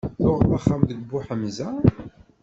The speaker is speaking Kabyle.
Tuɣeḍ axxam deg Buḥemza?